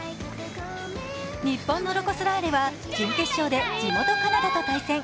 日本のロコ・ソラーレは準決勝で地元カナダと対戦。